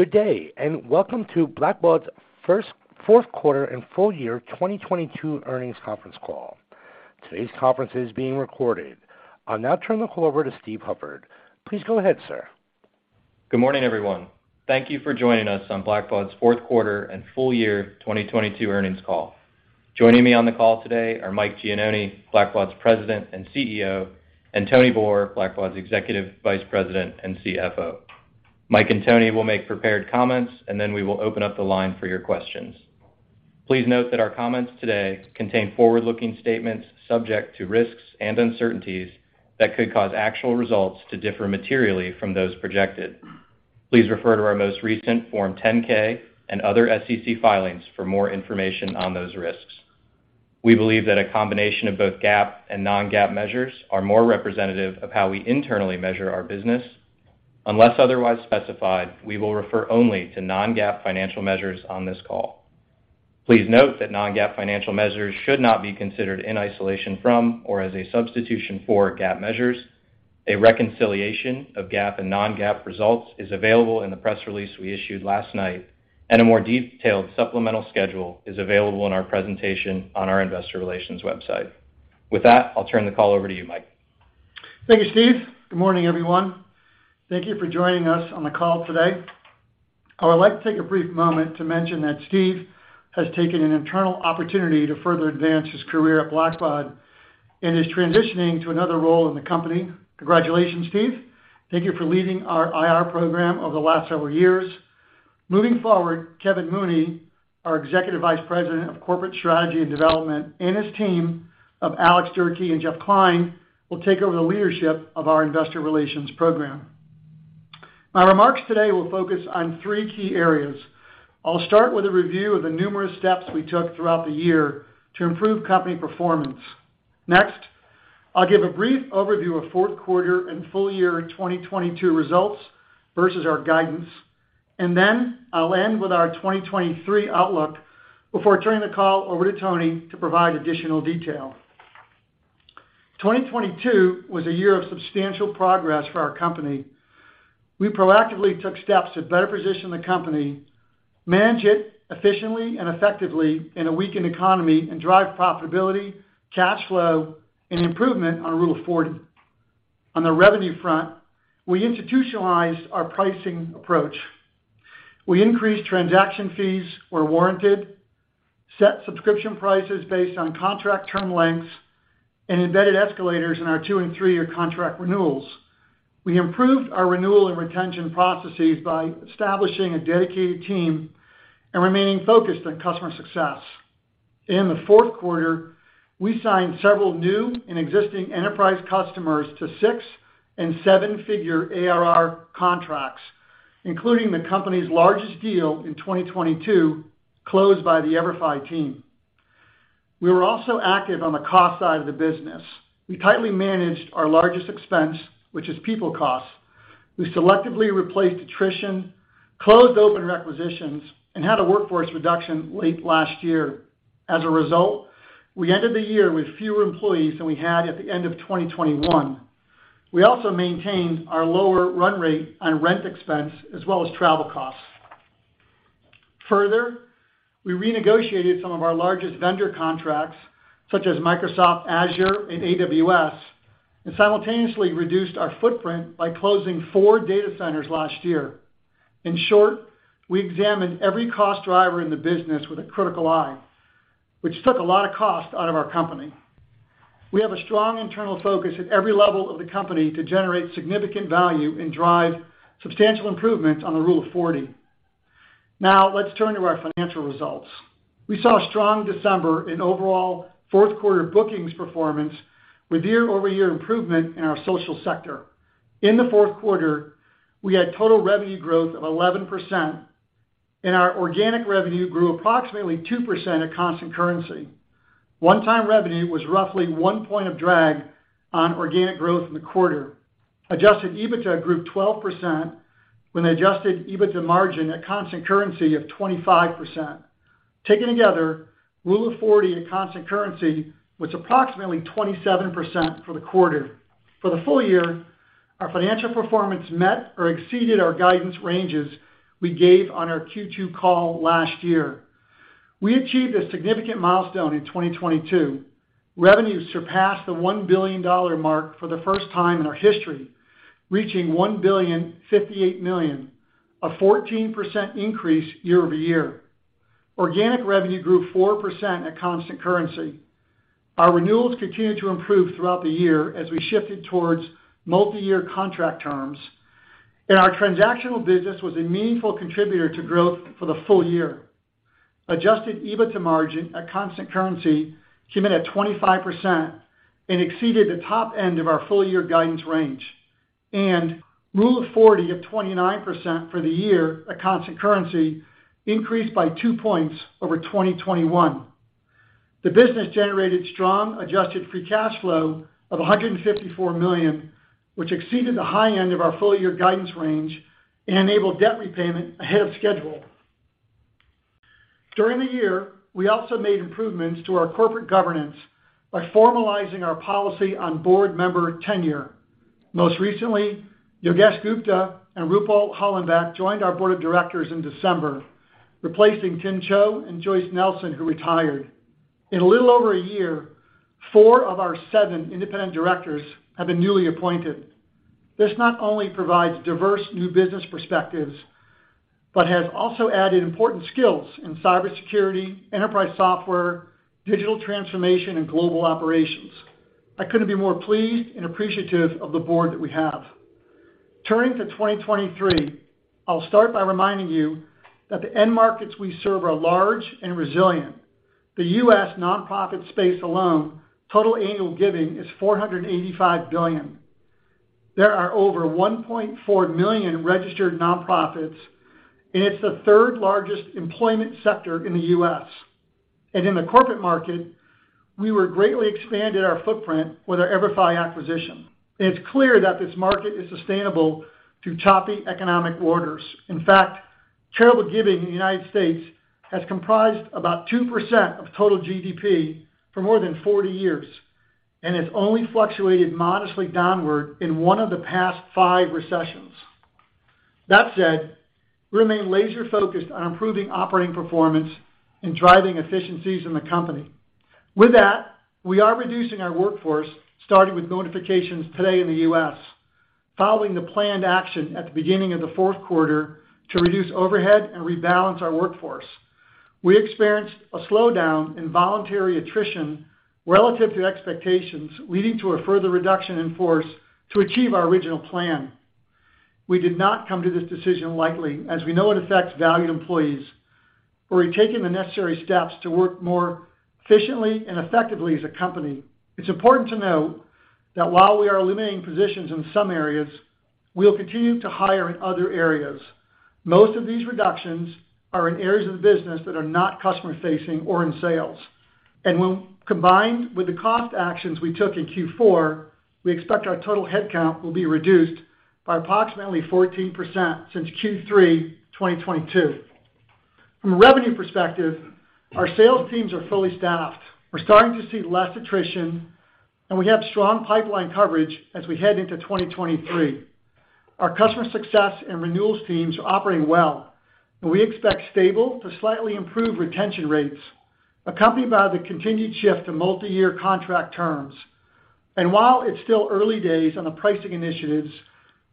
Good day, welcome to Blackbaud's Q4 and full year 2022 earnings conference call. Today's conference is being recorded. I'll now turn the call over to Steve Hufford. Please go ahead, sir. Good morning, everyone. Thank you for joining us on Blackbaud's Q4 and full year 2022 earnings call. Joining me on the call today are Mike Gianoni, Blackbaud's President and CEO, and Tony Boor, Blackbaud's Executive Vice President and CFO. Mike and Tony will make prepared comments, and then we will open up the line for your questions. Please note that our comments today contain forward-looking statements subject to risks and uncertainties that could cause actual results to differ materially from those projected. Please refer to our most recent Form 10-K and other SEC filings for more information on those risks. We believe that a combination of both GAAP and non-GAAP measures are more representative of how we internally measure our business. Unless otherwise specified, we will refer only to non-GAAP financial measures on this call. Please note that non-GAAP financial measures should not be considered in isolation from or as a substitution for GAAP measures. A reconciliation of GAAP and non-GAAP results is available in the press release we issued last night, and a more detailed supplemental schedule is available in our presentation on our investor relations website. With that, I'll turn the call over to you, Mike. Thank you, Steve. Good morning, everyone. Thank you for joining us on the call today. I would like to take a brief moment to mention that Steve has taken an internal opportunity to further advance his career at Blackbaud and is transitioning to another role in the company. Congratulations, Steve. Thank you for leading our IR program over the last several years. Moving forward, Kevin Mooney, our Executive Vice President of Corporate Strategy and Development, and his team of Alex Durkee and Jeff Kline, will take over the leadership of our investor relations program. My remarks today will focus on three key areas. I'll start with a review of the numerous steps we took throughout the year to improve company performance. Next, I'll give a brief overview of Q4 and full year 2022 results versus our guidance, and then I'll end with our 2023 outlook before turning the call over to Tony to provide additional detail. 2022 was a year of substantial progress for our company. We proactively took steps to better position the company, manage it efficiently and effectively in a weakened economy, and drive profitability, cash flow, and improvement on Rule of 40. On the revenue front, we institutionalized our pricing approach. We increased transaction fees where warranted, set subscription prices based on contract term lengths, and embedded escalators in our 2- and 3-year contract renewals. We improved our renewal and retention processes by establishing a dedicated team and remaining focused on customer success. In the Q4, we signed several new and existing enterprise customers to 6- and 7-figure ARR contracts, including the company's largest deal in 2022 closed by the EVERFI team. We were also active on the cost side of the business. We tightly managed our largest expense, which is people costs. We selectively replaced attrition, closed open requisitions, and had a workforce reduction late last year. As a result, we ended the year with fewer employees than we had at the end of 2021. We also maintained our lower run rate on rent expense as well as travel costs. Further, we renegotiated some of our largest vendor contracts, such as Microsoft Azure and AWS, and simultaneously reduced our footprint by closing 4 data centers last year. In short, we examined every cost driver in the business with a critical eye, which took a lot of cost out of our company. We have a strong internal focus at every level of the company to generate significant value and drive substantial improvements on the Rule of 40. Now let's turn to our financial results. We saw a strong December in overall Q4 bookings performance with year-over-year improvement in our social sector. In the Q4, we had total revenue growth of 11%, and our organic revenue grew approximately 2% at constant currency. 1 point revenue was roughly 1 point of drag on organic growth in the quarter. Adjusted EBITDA grew 12% when adjusted EBITDA margin at constant currency of 25%. Taken together, Rule of 40 at constant currency was approximately 27% for the quarter. For the full year, our financial performance met or exceeded our guidance ranges we gave on our Q2 call last year. We achieved a significant milestone in 2022. Revenue surpassed the $1 billion mark for the first time in our history, reaching $1.058 billion, a 14% increase year-over-year. Organic revenue grew 4% at constant currency. Our renewals continued to improve throughout the year as we shifted towards multi-year contract terms, and our transactional business was a meaningful contributor to growth for the full year. adjusted EBITDA margin at constant currency came in at 25% and exceeded the top end of our full year guidance range. Rule of 40 of 29% for the year at constant currency increased by two points over 2021. The business generated strong adjusted free cash flow of $154 million, which exceeded the high end of our full year guidance range and enabled debt repayment ahead of schedule. During the year, we also made improvements to our corporate governance by formalizing our policy on board member tenure. Most recently, Yogesh Gupta and Rupal Hollenbeck joined our board of directors in December, replacing Timothy Chou and Joyce Nelson, who retired. In a little over a year, four of our seven independent directors have been newly appointed. This not only provides diverse new business perspectives, but has also added important skills in cybersecurity, enterprise software, digital transformation, and global operations. I couldn't be more pleased and appreciative of the board that we have. Turning to 2023, I'll start by reminding you that the end markets we serve are large and resilient. The U.S. nonprofit space alone, total annual giving is $485 billion. There are over 1.4 million registered nonprofits, it's the third largest employment sector in the U.S. In the corporate market, we were greatly expanded our footprint with our EVERFI acquisition. It's clear that this market is sustainable through choppy economic waters. In fact, charitable giving in the United States has comprised about 2% of total GDP for more than 40 years, it's only fluctuated modestly downward in one of the past five recessions. That said, we remain laser-focused on improving operating performance and driving efficiencies in the company. With that, we are reducing our workforce, starting with notifications today in the U.S., following the planned action at the beginning of the Q4 to reduce overhead and rebalance our workforce. We experienced a slowdown in voluntary attrition relative to expectations, leading to a further reduction in force to achieve our original plan. We did not come to this decision lightly, as we know it affects valued employees. We're taking the necessary steps to work more efficiently and effectively as a company. It's important to note that while we are eliminating positions in some areas, we'll continue to hire in other areas. Most of these reductions are in areas of the business that are not customer-facing or in sales. When combined with the cost actions we took in Q4, we expect our total headcount will be reduced by approximately 14% since Q3 2022. From a revenue perspective, our sales teams are fully staffed. We're starting to see less attrition, and we have strong pipeline coverage as we head into 2023. Our customer success and renewals teams are operating well, and we expect stable to slightly improved retention rates, accompanied by the continued shift to multiyear contract terms. While it's still early days on the pricing initiatives,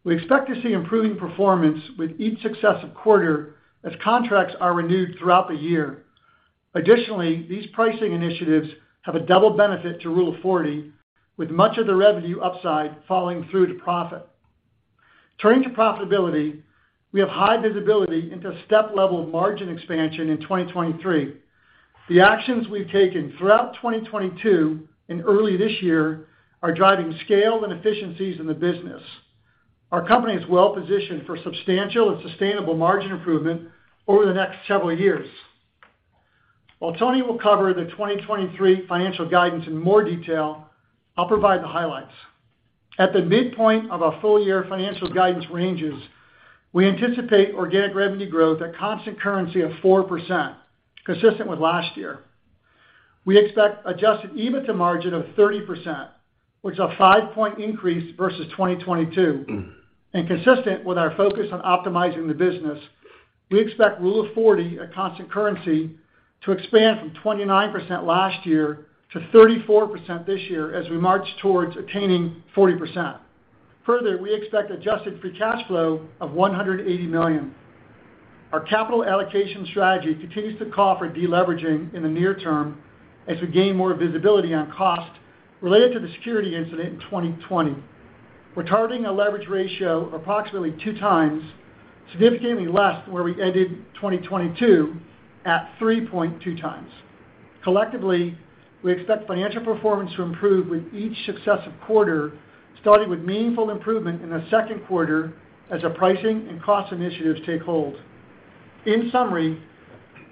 we expect to see improving performance with each successive quarter as contracts are renewed throughout the year. Additionally, these pricing initiatives have a double benefit to Rule of 40, with much of the revenue upside falling through to profit. Turning to profitability, we have high visibility into step-level margin expansion in 2023. The actions we've taken throughout 2022 and early this year are driving scale and efficiencies in the business. Our company is well positioned for substantial and sustainable margin improvement over the next several years. While Tony will cover the 2023 financial guidance in more detail, I'll provide the highlights. At the midpoint of our full-year financial guidance ranges, we anticipate organic revenue growth at constant currency of 4%, consistent with last year. We expect adjusted EBITDA margin of 30%, which is a 5-point increase versus 2022. Consistent with our focus on optimizing the business, we expect Rule of 40 at constant currency to expand from 29% last year to 34% this year as we march towards attaining 40%. We expect adjusted free cash flow of $180 million. Our capital allocation strategy continues to call for deleveraging in the near term as we gain more visibility on cost related to the security incident in 2020. We're targeting a leverage ratio of approximately 2 times, significantly less than where we ended 2022 at 3.2 times. Collectively, we expect financial performance to improve with each successive quarter, starting with meaningful improvement in the Q2 as our pricing and cost initiatives take hold. In summary,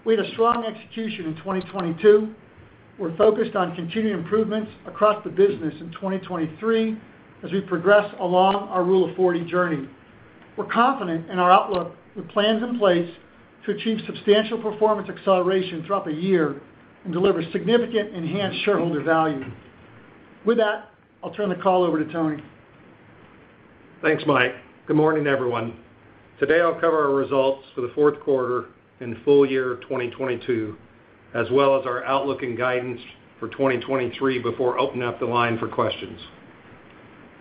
we had a strong execution in 2022. We're focused on continuing improvements across the business in 2023 as we progress along our Rule of 40 journey. We're confident in our outlook with plans in place to achieve substantial performance acceleration throughout the year and deliver significant enhanced shareholder value. With that, I'll turn the call over to Tony. Thanks, Mike. Good morning, everyone. Today, I'll cover our results for the Q4 and full year of 2022, as well as our outlook and guidance for 2023 before opening up the line for questions.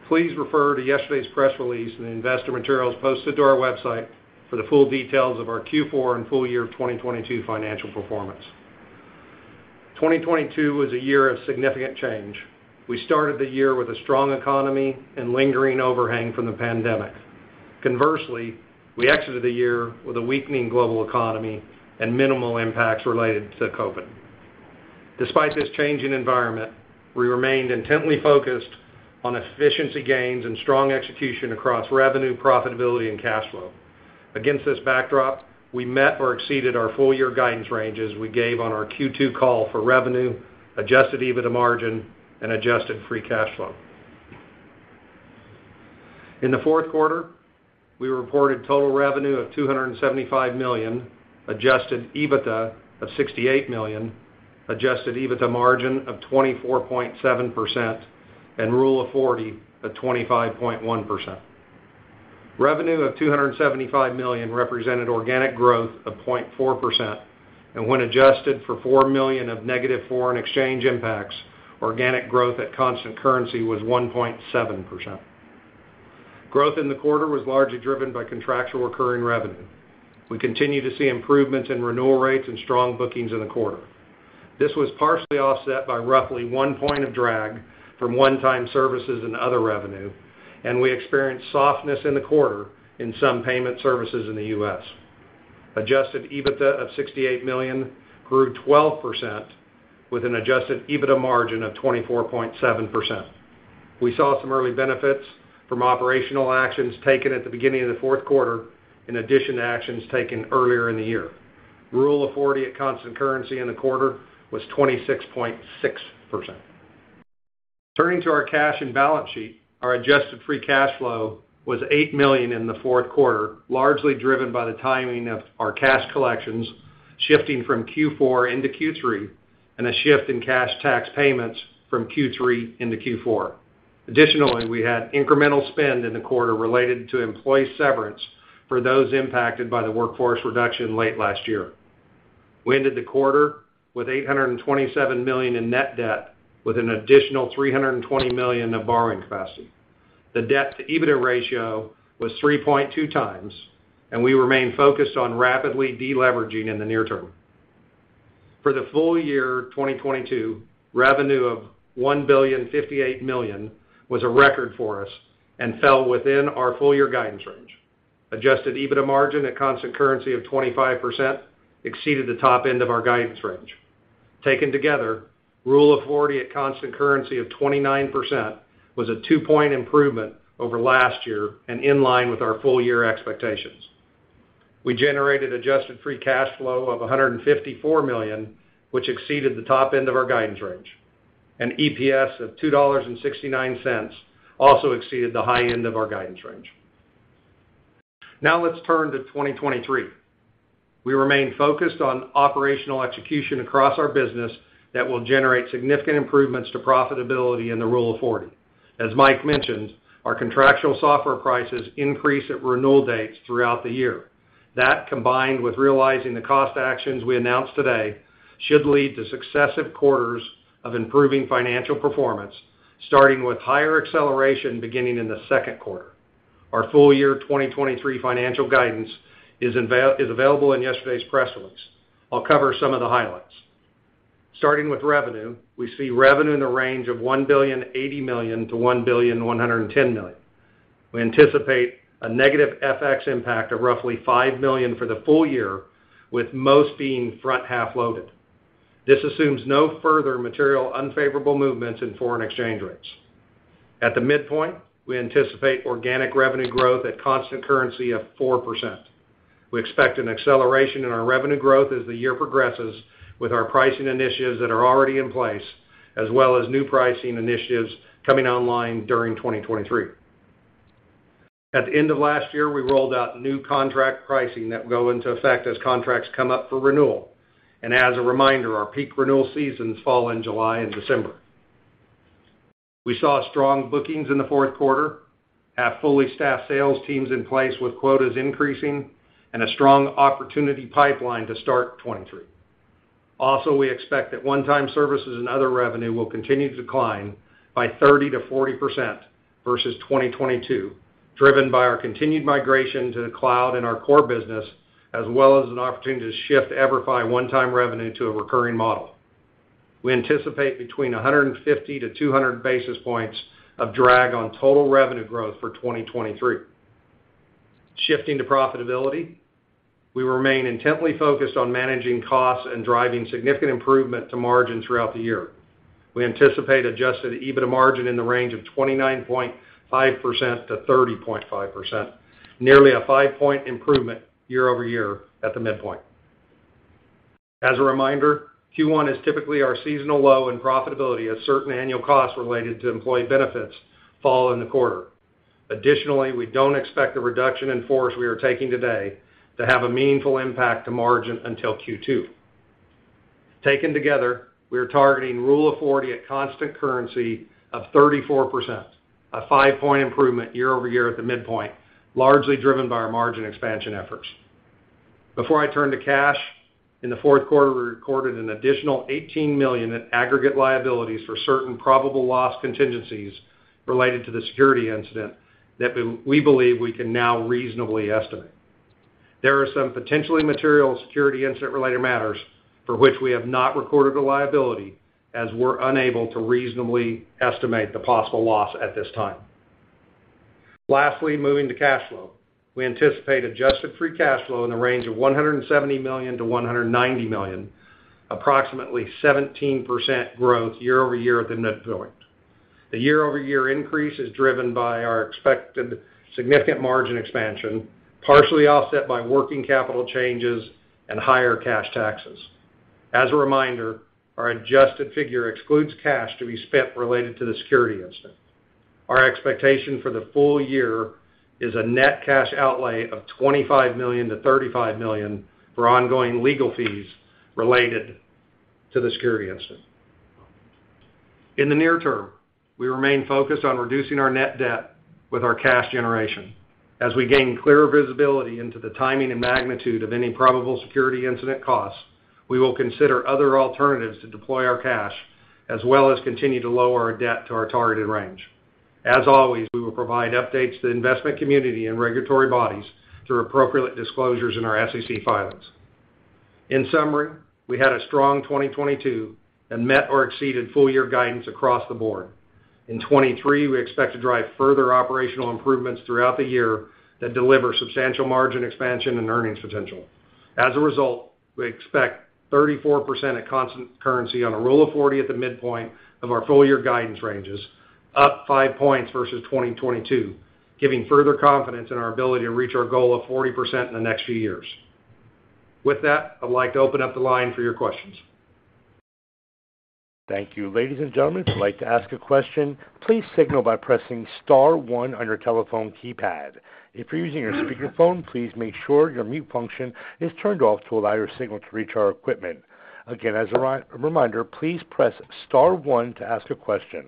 Please refer to yesterday's press release and the investor materials posted to our website for the full details of our Q4 and full year of 2022 financial performance. 2022 was a year of significant change. We started the year with a strong economy and lingering overhang from the pandemic. Conversely, we exited the year with a weakening global economy and minimal impacts related to COVID. Despite this changing environment, we remained intently focused on efficiency gains and strong execution across revenue, profitability, and cash flow. Against this backdrop, we met or exceeded our full year guidance ranges we gave on our Q2 call for revenue, adjusted EBITDA margin, and adjusted free cash flow. In the Q4, we reported total revenue of $275 million, adjusted EBITDA of $68 million, adjusted EBITDA margin of 24.7%, and Rule of 40 at 25.1%. Revenue of $275 million represented organic growth of 0.4%, when adjusted for $4 million of negative foreign exchange impacts, organic growth at constant currency was 1.7%. Growth in the quarter was largely driven by contractual recurring revenue. We continue to see improvements in renewal rates and strong bookings in the quarter. This was partially offset by roughly 1 point of drag from one-time services and other revenue. We experienced softness in the quarter in some payment services in the U.S. Adjusted EBITDA of $68 million grew 12% with an adjusted EBITDA margin of 24.7%. We saw some early benefits from operational actions taken at the beginning of the Q4 in addition to actions taken earlier in the year. Rule of 40 at constant currency in the quarter was 26.6%. Turning to our cash and balance sheet, our adjusted free cash flow was $8 million in the Q4, largely driven by the timing of our cash collections shifting from Q4 into Q3 and a shift in cash tax payments from Q3 into Q4. Additionally, we had incremental spend in the quarter related to employee severance for those impacted by the workforce reduction late last year. We ended the quarter with $827 million in net debt with an additional $320 million of borrowing capacity. The debt-to-EBITDA ratio was 3.2x, and we remain focused on rapidly deleveraging in the near term. For the full year 2022, revenue of $1.058 billion was a record for us and fell within our full year guidance range. Adjusted EBITDA margin at constant currency of 25% exceeded the top end of our guidance range. Taken together, Rule of 40 at constant currency of 29% was a 2-point improvement over last year and in line with our full year expectations. We generated adjusted free cash flow of $154 million, which exceeded the top end of our guidance range. EPS of $2.69 also exceeded the high end of our guidance range. Let's turn to 2023. We remain focused on operational execution across our business that will generate significant improvements to profitability in the Rule of 40. As Mike mentioned, our contractual software prices increase at renewal dates throughout the year. combined with realizing the cost actions we announced today, should lead to successive quarters of improving financial performance, starting with higher acceleration beginning in the Q2. Our full year 2023 financial guidance is available in yesterday's press release. I'll cover some of the highlights. With revenue, we see revenue in the range of $1.08 billion-$1.11 billion. We anticipate a negative FX impact of roughly $5 million for the full year, with most being front-half loaded. This assumes no further material unfavorable movements in foreign exchange rates. At the midpoint, we anticipate organic revenue growth at constant currency of 4%. We expect an acceleration in our revenue growth as the year progresses with our pricing initiatives that are already in place, as well as new pricing initiatives coming online during 2023. At the end of last year, we rolled out new contract pricing that will go into effect as contracts come up for renewal. As a reminder, our peak renewal seasons fall in July and December. We saw strong bookings in the Q4, have fully staffed sales teams in place with quotas increasing, and a strong opportunity pipeline to start 2023. Also, we expect that one-time services and other revenue will continue to decline by 30%-40% versus 2022, driven by our continued migration to the cloud in our core business, as well as an opportunity to shift EVERFI one-time revenue into a recurring model. We anticipate between 150-200 basis points of drag on total revenue growth for 2023. Shifting to profitability, we remain intently focused on managing costs and driving significant improvement to margin throughout the year. We anticipate adjusted EBITDA margin in the range of 29.5%-30.5%, nearly a 5-point improvement year-over-year at the midpoint. As a reminder, Q1 is typically our seasonal low in profitability as certain annual costs related to employee benefits fall in the quarter. Additionally, we don't expect the reduction in force we are taking today to have a meaningful impact to margin until Q2. Taken together, we are targeting Rule of 40 at constant currency of 34%, a 5-point improvement year-over-year at the midpoint, largely driven by our margin expansion efforts. Before I turn to cash, in the Q4, we recorded an additional $18 million in aggregate liabilities for certain probable loss contingencies related to the security incident that we believe we can now reasonably estimate. There are some potentially material security incident-related matters for which we have not recorded a liability as we're unable to reasonably estimate the possible loss at this time. Lastly, moving to cash flow. We anticipate adjusted free cash flow in the range of $170 million-$190 million, approximately 17% growth year-over-year at the midpoint. The year-over-year increase is driven by our expected significant margin expansion, partially offset by working capital changes and higher cash taxes. As a reminder, our adjusted figure excludes cash to be spent related to the security incident. Our expectation for the full year is a net cash outlay of $25 million-$35 million for ongoing legal fees related to the security incident. In the near term, we remain focused on reducing our net debt with our cash generation. As we gain clear visibility into the timing and magnitude of any probable security incident costs, we will consider other alternatives to deploy our cash as well as continue to lower our debt to our targeted range. As always, we will provide updates to investment community and regulatory bodies through appropriate disclosures in our SEC filings. In summary, we had a strong 2022 and met or exceeded full year guidance across the board. In 2023, we expect to drive further operational improvements throughout the year that deliver substantial margin expansion and earnings potential. As a result, we expect 34% at constant currency on a Rule of 40 at the midpoint of our full year guidance ranges, up 5 points versus 2022, giving further confidence in our ability to reach our goal of 40% in the next few years. With that, I'd like to open up the line for your questions. Thank you. Ladies and gentlemen, if you'd like to ask a question, please signal by pressing star one on your telephone keypad. If you're using your speakerphone, please make sure your mute function is turned off to allow your signal to reach our equipment. Again, as a reminder, please press star one to ask a question.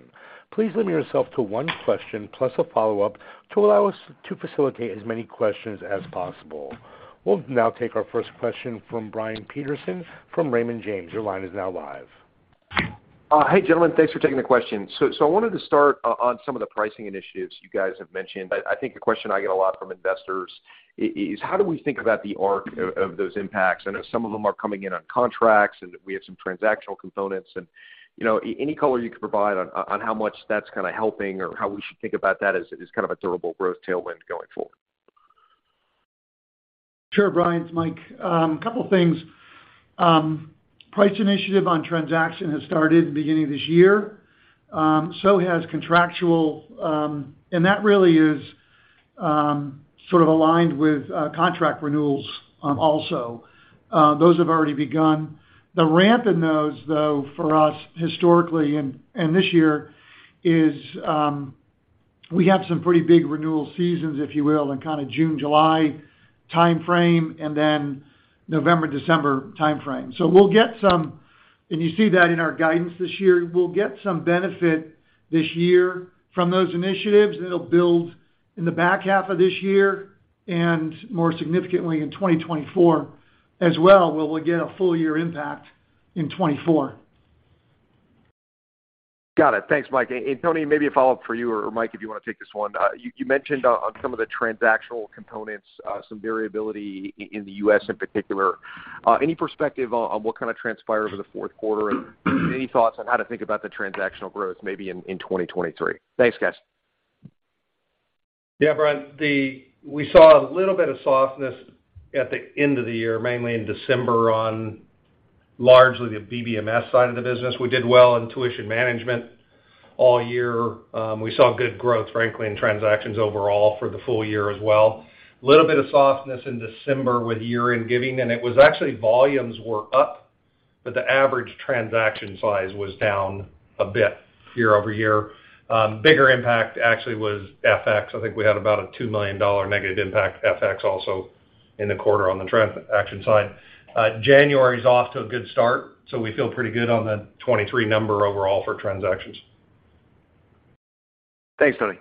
Please limit yourself to one question plus a follow-up to allow us to facilitate as many questions as possible. We'll now take our first question from Brian Peterson from Raymond James. Your line is now live. Hi, gentlemen. Thanks for taking the question. I wanted to start on some of the pricing initiatives you guys have mentioned. I think the question I get a lot from investors is how do we think about the arc of those impacts? I know some of them are coming in on contracts, and we have some transactional components. You know, any color you could provide on how much that's kinda helping or how we should think about that as kind of a durable growth tailwind going forward. Sure, Brian. It's Mike. Couple things. Price initiative on transaction has started beginning of this year, so has contractual, and that really is sort of aligned with contract renewals also. Those have already begun. The ramp in those, though, for us historically and this year is, we have some pretty big renewal seasons, if you will, in kinda June-July timeframe and then November-December timeframe. You see that in our guidance this year. We'll get some benefit this year from those initiatives, and it'll build in the back half of this year and more significantly in 2024 as well, where we'll get a full year impact in 2024. Got it. Thanks, Mike. Tony, maybe a follow-up for you or Mike, if you wanna take this one. You mentioned on some of the transactional components, some variability in the U.S. in particular. Any perspective on what kind of transpired over the Q4, and any thoughts on how to think about the transactional growth maybe in 2023? Thanks, guys. Brian, we saw a little bit of softness at the end of the year, mainly in December on largely the BBMS side of the business. We did well in tuition management all year. We saw good growth, frankly, in transactions overall for the full year as well. Little bit of softness in December with year-end giving, and it was actually volumes were up, but the average transaction size was down a bit year-over-year. Bigger impact actually was FX. I think we had about a $2 million negative impact FX also in the quarter on the transaction side. January's off to a good start, so we feel pretty good on the 2023 number overall for transactions. Thanks, Tony.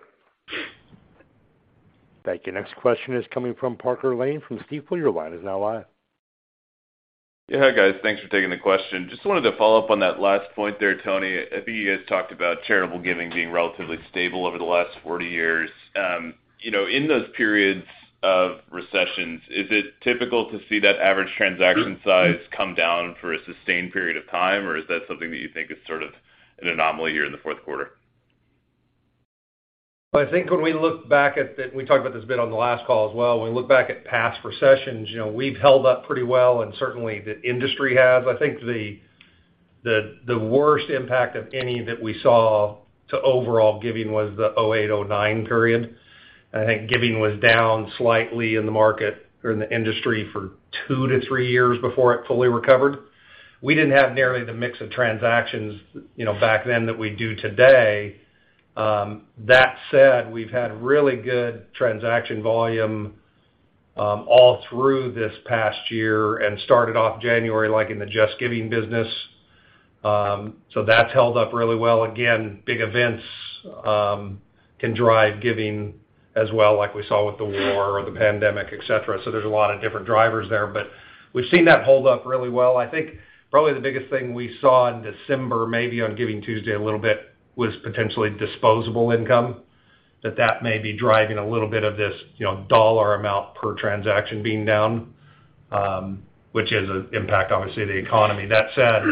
Thank you. Next question is coming from Parker Lane from Stifel. Your line is now live. Yeah. Hi, guys. Thanks for taking the question. Just wanted to follow up on that last point there, Tony. I think you guys talked about charitable giving being relatively stable over the last 40 years. You know, in those periods of recessions, is it typical to see that average transaction size come down for a sustained period of time, or is that something that you think is sort of an anomaly here in the Q4? I think when we look back at the-- we talked about this a bit on the last call as well. When we look back at past recessions, you know, we've held up pretty well and certainly the industry has. I think the worst impact of any that we saw to overall giving was the 2008, 2009 period. I think giving was down slightly in the market or in the industry for 2 to 3 years before it fully recovered. We didn't have nearly the mix of transactions, you know, back then that we do today. That said, we've had really good transaction volume all through this past year and started off January, like in the JustGiving business, so that's held up really well. Again, big events can drive giving as well, like we saw with the war or the pandemic, et cetera. There's a lot of different drivers there, but we've seen that hold up really well. I think probably the biggest thing we saw in December, maybe on Giving Tuesday a little bit, was potentially disposable income, that that may be driving a little bit of this, you know, dollar amount per transaction being down, which is an impact, obviously, the economy. That said,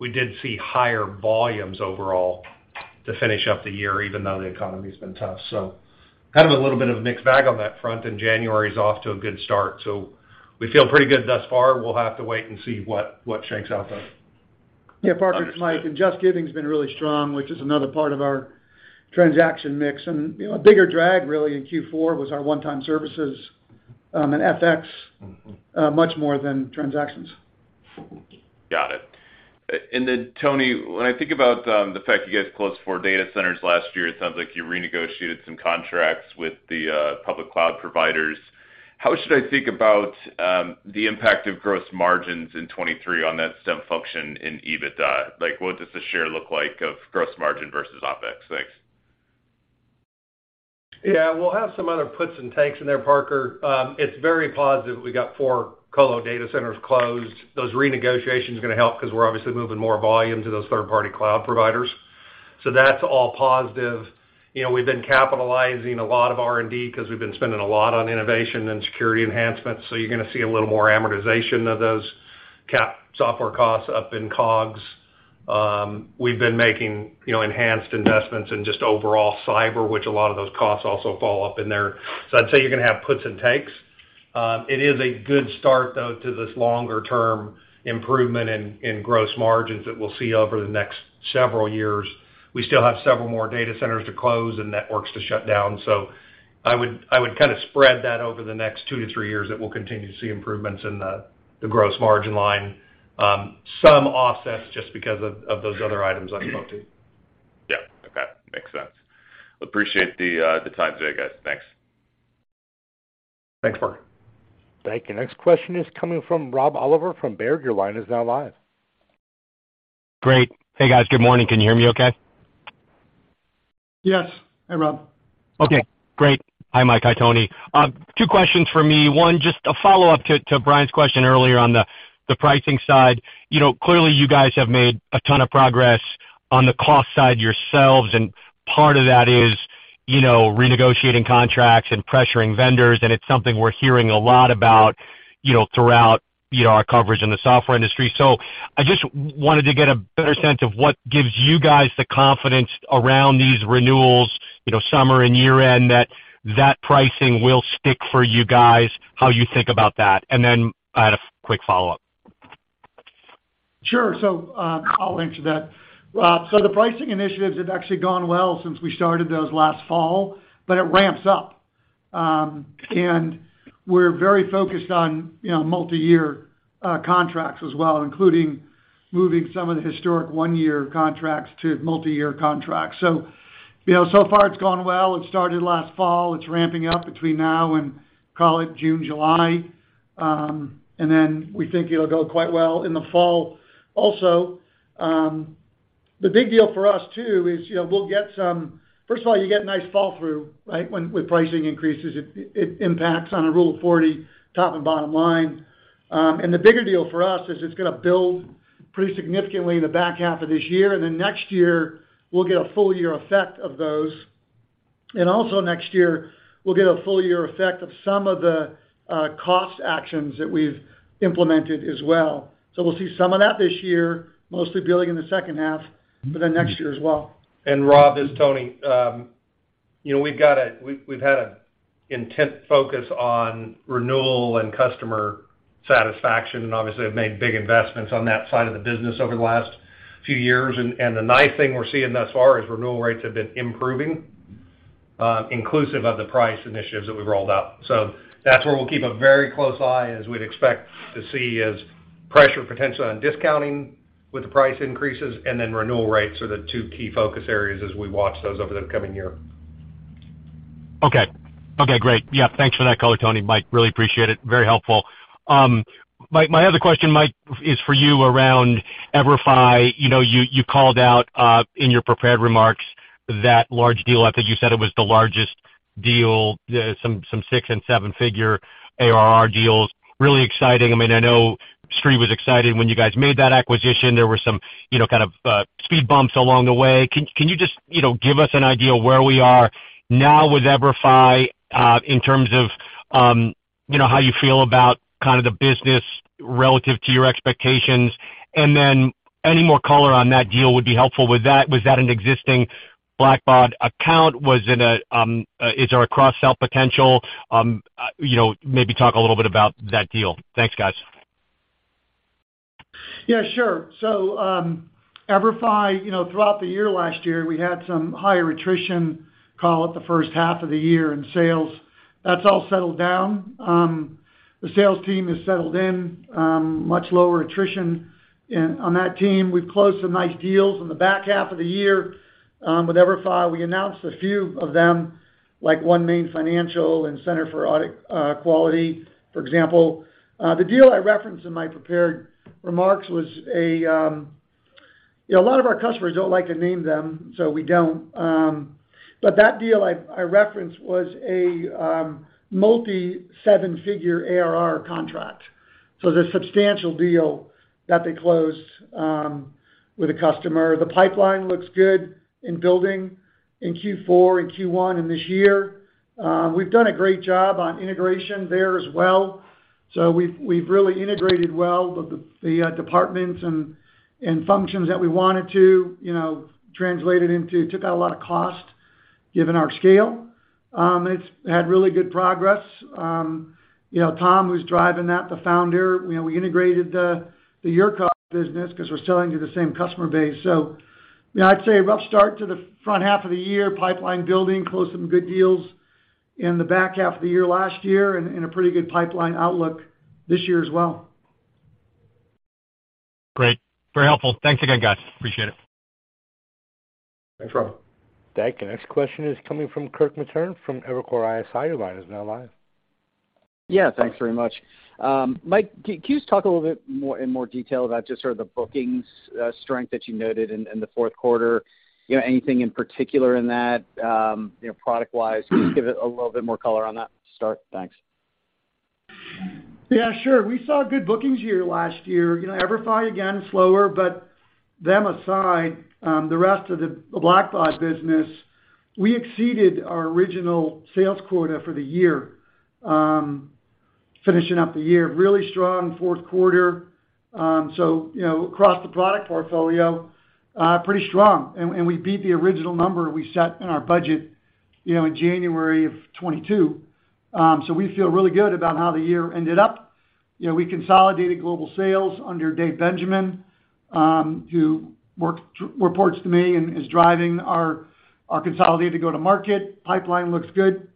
we did see higher volumes overall to finish up the year, even though the economy's been tough. Kind of a little bit of a mixed bag on that front, and January's off to a good start. We feel pretty good thus far. We'll have to wait and see what shakes out though. Yeah, Parker, it's Mike. JustGiving has been really strong, which is another part of our transaction mix. You know, a bigger drag really in Q4 was our one-time services, in FX, much more than transactions. Got it. Tony, when I think about the fact you guys closed 4 data centers last year, it sounds like you renegotiated some contracts with the public cloud providers. How should I think about the impact of gross margins in 23 on that step function in EBITDA? Like, what does the share look like of gross margin versus OpEx? Thanks. Yeah. We'll have some other puts and takes in there, Parker. It's very positive we got 4 colo data centers closed. Those renegotiation is gonna help 'cause we're obviously moving more volume to those third-party cloud providers. That's all positive. You know, we've been capitalizing a lot of R&D 'cause we've been spending a lot on innovation and security enhancements. You're gonna see a little more amortization of those cap software costs up in COGS. We've been making, you know, enhanced investments in just overall cyber, which a lot of those costs also fall up in there. I'd say you're gonna have puts and takes. It is a good start though to this longer term improvement in gross margins that we'll see over the next several years. We still have several more data centers to close and networks to shut down. I would kind of spread that over the next two to three years that we'll continue to see improvements in the gross margin line, some offsets just because of those other items I spoke to. Yeah. Okay. Makes sense. Appreciate the time today, guys. Thanks. Thanks, Parker. Thank you. Next question is coming from Rob Oliver from Baird. Your line is now live. Great. Hey, guys. Good morning. Can you hear me okay? Yes. Hey, Rob. Okay, great. Hi, Mike. Hi, Tony. Two questions for me. One, just a follow-up to Brian's question earlier on the pricing side. You know, clearly you guys have made a ton of progress on the cost side yourselves, and part of that is, you know, renegotiating contracts and pressuring vendors, and it's something we're hearing a lot about, you know, throughout, you know, our coverage in the software industry. I just wanted to get a better sense of what gives you guys the confidence around these renewals, you know, summer and year-end, that that pricing will stick for you guys, how you think about that. I had a quick follow-up. Sure. I'll answer that. The pricing initiatives have actually gone well since we started those last fall, but it ramps up. We're very focused on, you know, multi-year contracts as well, including moving some of the historic 1-year contracts to multi-year contracts. You know, so far it's gone well. It started last fall. It's ramping up between now and call it June, July. We think it'll go quite well in the fall. The big deal for us too is, you know, First of all, you get nice fall through, right? When with pricing increases, it impacts on a Rule of 40 top and bottom line. The bigger deal for us is it's gonna build pretty significantly in the back half of this year. Next year we'll get a full year effect of those. Also next year, we'll get a full year effect of some of the cost actions that we've implemented as well. We'll see some of that this year, mostly building in the second half, but then next year as well. Rob, this is Tony. You know, we've had an intent focus on renewal and customer satisfaction, and obviously have made big investments on that side of the business over the last few years. The nice thing we're seeing thus far is renewal rates have been improving, inclusive of the price initiatives that we've rolled out. That's where we'll keep a very close eye as we'd expect to see is pressure potentially on discounting with the price increases and then renewal rates are the 2 key focus areas as we watch those over the coming year. Okay. Okay, great. Yeah, thanks for that color, Tony, Mike, really appreciate it. Very helpful. My other question, Mike, is for you around EVERFI. You know, you called out in your prepared remarks that large deal, I think you said it was the largest deal, some 6- and 7-figure ARR deals, really exciting. I mean, I know Street was excited when you guys made that acquisition. There were some, you know, kind of speed bumps along the way. Can you just, you know, give us an idea where we are now with EVERFI in terms of, you know, how you feel about kind of the business relative to your expectations? Any more color on that deal would be helpful. Was that an existing Blackbaud account? Was it a, is there a cross-sell potential? You know, maybe talk a little bit about that deal. Thanks, guys. Yeah, sure. EVERFI, you know, throughout the year last year, we had some higher attrition, call it the first half of the year in sales. That's all settled down. The sales team has settled in, much lower attrition on that team. We've closed some nice deals in the back half of the year, with EVERFI. We announced a few of them, like OneMain Financial and Center for Audit Quality, for example. The deal I referenced in my prepared remarks. You know, a lot of our customers don't like to name them, so we don't. That deal I referenced was a multi 7-figure ARR contract. It's a substantial deal that they closed with a customer. The pipeline looks good in building in Q4 and Q1 and this year. We've done a great job on integration there as well. We've really integrated well with the departments and functions that we wanted to, you know, translate it into, took out a lot of cost given our scale. It's had really good progress. You know, Tom, who's driving that, the founder, you know, we integrated the EVERFI business 'cause we're selling to the same customer base. You know, I'd say a rough start to the front half of the year, pipeline building, closed some good deals in the back half of the year last year and a pretty good pipeline outlook this year as well. Great. Very helpful. Thanks again, guys. Appreciate it. Thanks, Rob. Thank you. Next question is coming from Kirk Materne from Evercore ISI. Your line is now live. Yeah, thanks very much. Mike, can you just talk a little bit more, in more detail about just sort of the bookings strength that you noted in the Q4? You know, anything in particular in that, you know, product wise? Can you just give it a little bit more color on that to start? Thanks. Yeah, sure. We saw good bookings year last year. You know, EVERFI, again, slower, but them aside, the rest of the Blackbaud business, we exceeded our original sales quota for the year, finishing up the year. Really strong Q4. You know, across the product portfolio, pretty strong. We beat the original number we set in our budget, you know, in January of 2022. We feel really good about how the year ended up. You know, we consolidated global sales under David Benjamin, who reports to me and is driving our consolidated go-to-market. Pipeline looks good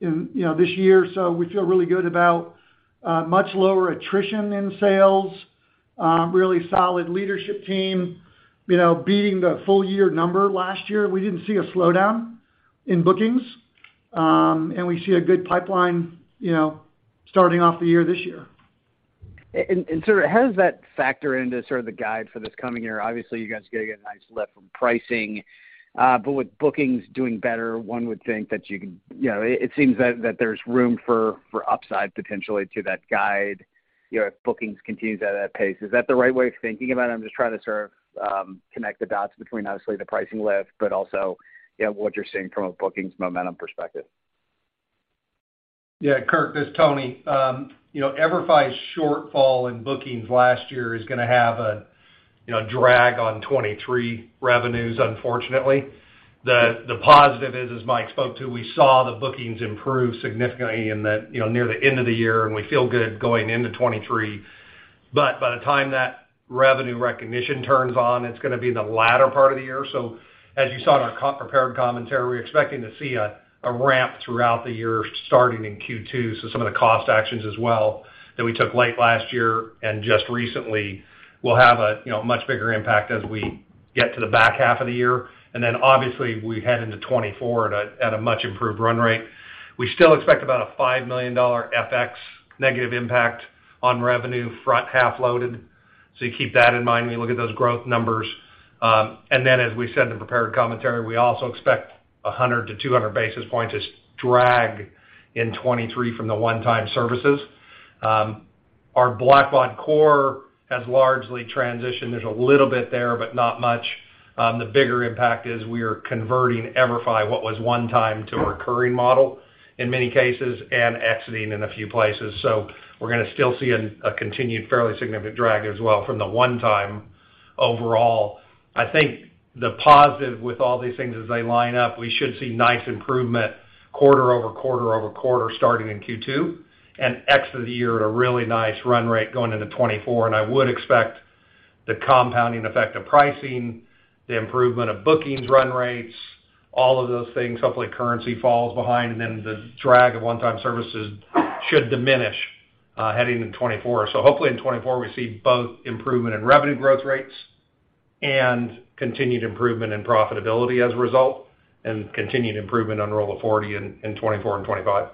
in, you know, this year, we feel really good about much lower attrition in sales, really solid leadership team, you know, beating the full year number last year. We didn't see a slowdown in bookings, and we see a good pipeline, you know, starting off the year this year. Sort of how does that factor into sort of the guide for this coming year? Obviously, you guys are gonna get a nice lift from pricing. With bookings doing better, one would think that You know, it seems that there's room for upside potentially to that guide, you know, if bookings continues at that pace. Is that the right way of thinking about it? I'm just trying to sort of connect the dots between, obviously, the pricing lift, but also, you know, what you're seeing from a bookings momentum perspective. Yeah, Kirk, this is Tony. You know, EVERFI's shortfall in bookings last year is gonna have a, you know, drag on 2023 revenues, unfortunately. The positive is, as Mike spoke to, we saw the bookings improve significantly in the, you know, near the end of the year, and we feel good going into 2023. By the time that revenue recognition turns on, it's gonna be the latter part of the year. As you saw in our co- prepared commentary, we're expecting to see a ramp throughout the year starting in Q2. Some of the cost actions as well that we took late last year and just recently will have a, you know, much bigger impact as we get to the back half of the year. Obviously we head into 2024 at a much improved run rate. We still expect about a $5 million FX negative impact on revenue, front half loaded. You keep that in mind when you look at those growth numbers. As we said in the prepared commentary, we also expect 100-200 basis points as drag in 2023 from the one-time services. Our Blackbaud core has largely transitioned. There's a little bit there, but not much. The bigger impact is we are converting EVERFI, what was one-time to a recurring model in many cases and exiting in a few places. We're gonna still see a continued fairly significant drag as well from the one-time overall. I think the positive with all these things as they line up, we should see nice improvement quarter-quarter-quarter starting in Q2 and exit the year at a really nice run rate going into 2024. I would expect the compounding effect of pricing, the improvement of bookings run rates, all of those things, hopefully currency falls behind, and then the drag of one-time services should diminish heading in 2024. Hopefully in 2024, we see both improvement in revenue growth rates and continued improvement in profitability as a result, and continued improvement on Rule of 40 in 2024 and 2025.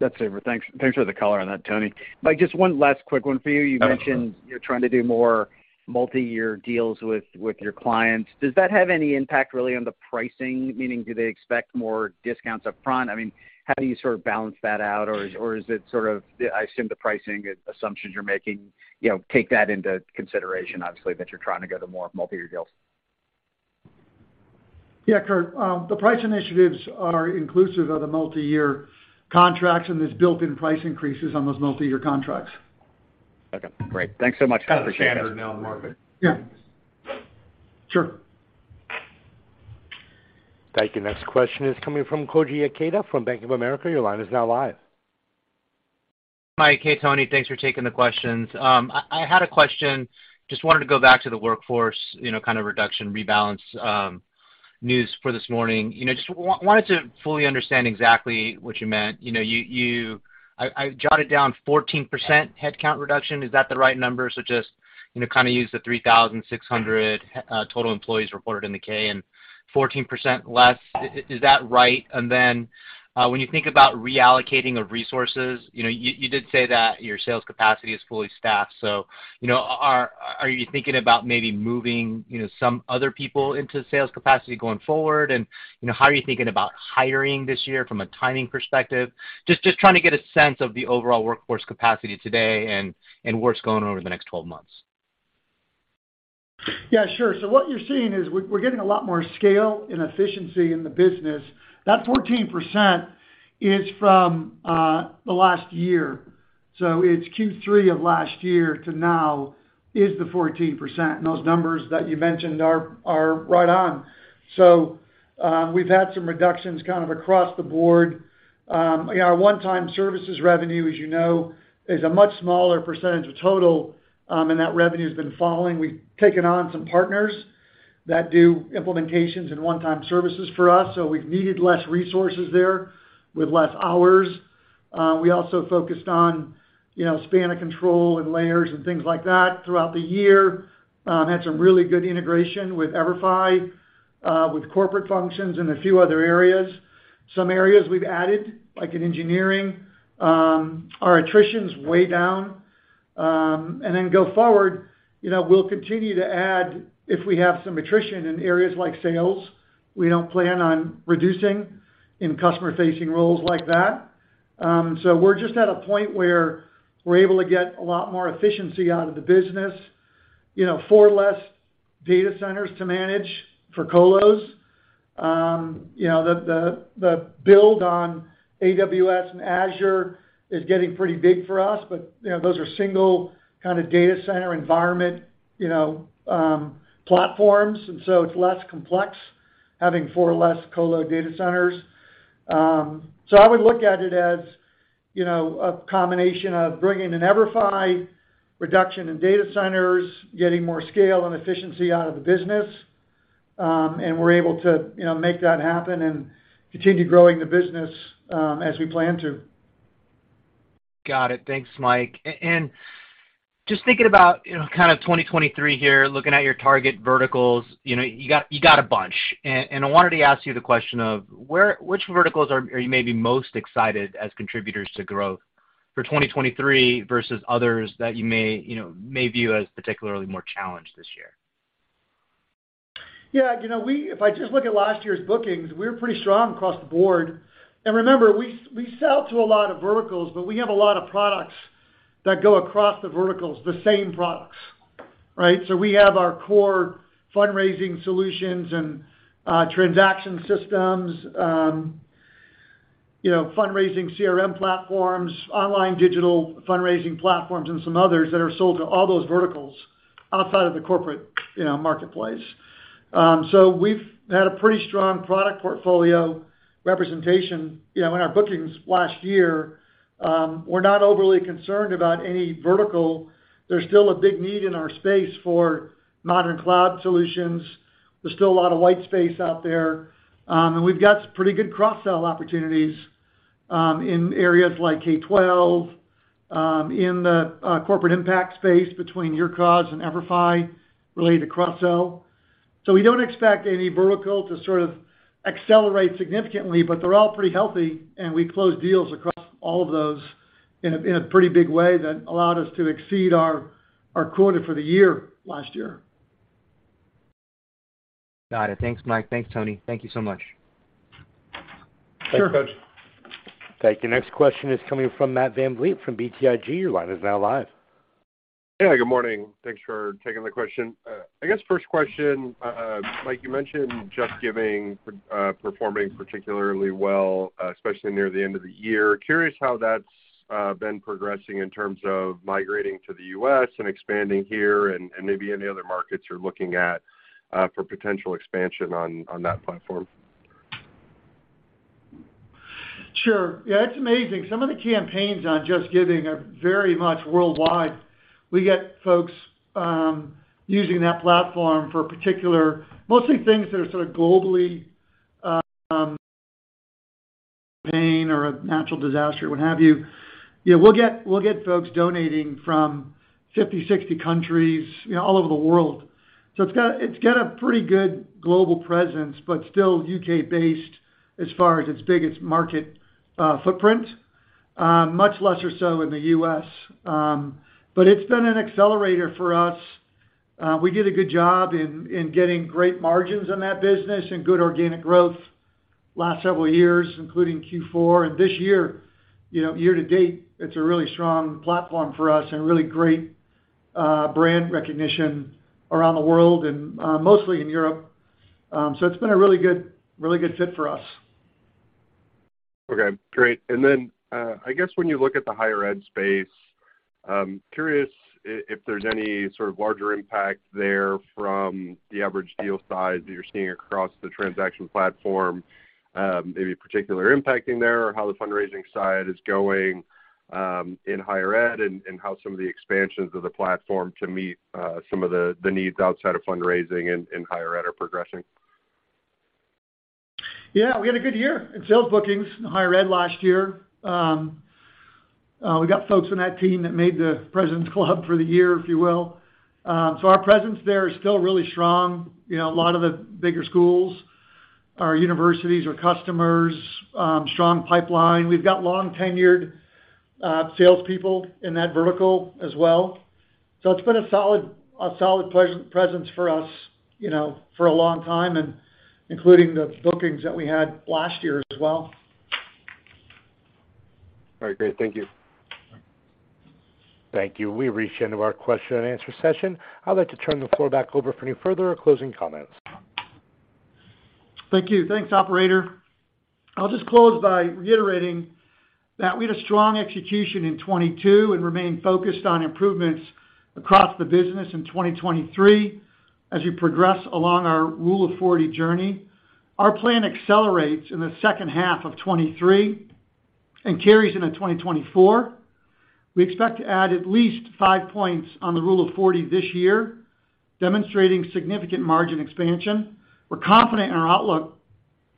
That's it. Thanks. Thanks for the color on that, Tony. Mike, just one last quick one for you. Oh, sure. You mentioned you're trying to do more multi-year deals with your clients. Does that have any impact really on the pricing? Meaning, do they expect more discounts up front? I mean, how do you sort of balance that out? Or is it sort of... I assume the pricing assumptions you're making, you know, take that into consideration, obviously, that you're trying to go to more multi-year deals. Kirk. The price initiatives are inclusive of the multi-year contracts, and there's built-in price increases on those multi-year contracts. Okay, great. Thanks so much. Appreciate it. Kind of standard now in market. Yeah. Sure. Thank you. Next question is coming from Koji Ikeda from Bank of America. Your line is now live. Mike, hey, Tony. Thanks for taking the questions. I had a question. Just wanted to go back to the workforce, you know, kind of reduction, rebalance, news for this morning. You know, just wanted to fully understand exactly what you meant. You know, you I jotted down 14% headcount reduction. Is that the right number? Just, you know, kind of use the 3,600 total employees reported in the K and 14% less. Is that right? Then, when you think about reallocating of resources, you know, you did say that your sales capacity is fully staffed. You know, are you thinking about maybe moving, you know, some other people into sales capacity going forward? You know, how are you thinking about hiring this year from a timing perspective? Just trying to get a sense of the overall workforce capacity today and what's going on over the next 12 months. Yeah, sure. What you're seeing is we're getting a lot more scale and efficiency in the business. That 14% is from the last year. It's Q3 of last year to now is the 14%, and those numbers that you mentioned are right on. We've had some reductions kind of across the board. Our one-time services revenue, as you know, is a much smaller percentage of total, and that revenue's been falling. We've taken on some partners that do implementations and one-time services for us, so we've needed less resources there with less hours. We also focused on, you know, span of control and layers and things like that throughout the year. Had some really good integration with EVERFI, with corporate functions and a few other areas. Some areas we've added, like in engineering, our attrition's way down. Go forward, you know, we'll continue to add if we have some attrition in areas like sales. We don't plan on reducing in customer-facing roles like that. We're just at a point where we're able to get a lot more efficiency out of the business. You know, 4 less data centers to manage for colos. You know, the build on AWS and Azure is getting pretty big for us, but, you know, those are single kind of data center environment, you know, platforms, it's less complex having 4 less colo data centers. I would look at it as, you know, a combination of bringing in EVERFI, reduction in data centers, getting more scale and efficiency out of the business, and we're able to, you know, make that happen and continue growing the business, as we plan to. Got it. Thanks, Mike. Just thinking about, you know, kind of 2023 here, looking at your target verticals, you know, you got a bunch. I wanted to ask you the question of which verticals are you maybe most excited as contributors to growth for 2023 versus others that you may, you know, may view as particularly more challenged this year? Yeah. You know, if I just look at last year's bookings, we were pretty strong across the board. Remember, we sell to a lot of verticals, but we have a lot of products that go across the verticals, the same products, right? We have our core fundraising solutions, transaction systems, you know, fundraising CRM platforms, online digital fundraising platforms, and some others that are sold to all those verticals outside of the corporate, you know, marketplace. We've had a pretty strong product portfolio representation, you know, in our bookings last year. We're not overly concerned about any vertical. There's still a big need in our space for modern cloud solutions. There's still a lot of white space out there. We've got pretty good cross-sell opportunities, in areas like K-12, in the corporate impact space between YourCause and EVERFI related to cross-sell. We don't expect any vertical to sort of accelerate significantly, but they're all pretty healthy, and we close deals across all of those in a pretty big way that allowed us to exceed our quota for the year last year. Got it. Thanks, Mike. Thanks, Tony. Thank you so much. Sure. Thanks. Thank you. Next question is coming from Matt VanVliet from BTIG. Your line is now live. Yeah, good morning. Thanks for taking the question. I guess first question, Mike, you mentioned JustGiving performing particularly well, especially near the end of the year. Curious how that's been progressing in terms of migrating to the US and expanding here and maybe any other markets you're looking at for potential expansion on that platform? Sure. Yeah, it's amazing. Some of the campaigns on JustGiving are very much worldwide. We get folks using that platform for mostly things that are sort of globally plain or a natural disaster, what have you. You know, we'll get folks donating from 50, 60 countries, you know, all over the world. It's got a pretty good global presence, but still UK-based as far as its biggest market footprint. Much lesser so in the U.S. It's been an accelerator for us. We did a good job in getting great margins in that business and good organic growth last several years, including Q4. This year, you know, year to date, it's a really strong platform for us and really great brand recognition around the world and mostly in Europe. It's been a really good, really good fit for us. Okay, great. I guess when you look at the higher ed space, curious if there's any sort of larger impact there from the average deal size that you're seeing across the transaction platform, maybe particularly impacting there, how the fundraising side is going, in higher ed and, how some of the expansions of the platform to meet, some of the needs outside of fundraising in higher ed are progressing? Yeah, we had a good year in sales bookings in higher ed last year. We got folks on that team that made the president's club for the year, if you will. Our presence there is still really strong. You know, a lot of the bigger schools are universities or customers, strong pipeline. We've got long-tenured, salespeople in that vertical as well. It's been a solid presence for us, you know, for a long time and including the bookings that we had last year as well. All right, great. Thank you. Thank you. We've reached the end of our question and answer session. I'd like to turn the floor back over for any further closing comments. Thank you. Thanks, operator. I'll just close by reiterating that we had a strong execution in 22 and remain focused on improvements across the business in 2023 as we progress along our Rule of 40 journey. Our plan accelerates in the second half of 23 and carries into 2024. We expect to add at least 5 points on the Rule of 40 this year, demonstrating significant margin expansion. We're confident in our outlook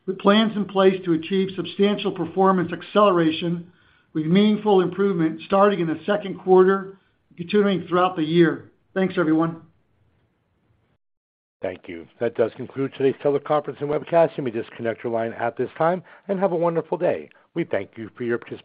with plans in place to achieve substantial performance acceleration with meaningful improvement starting in the Q2, continuing throughout the year. Thanks, everyone. Thank you. That does conclude today's teleconference and webcast. You may disconnect your line at this time, and have a wonderful day. We thank you for your participation.